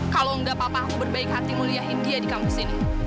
kalau enggak papa aku berbaik hati muliahin dia di kampus ini